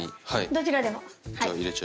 どちらでも。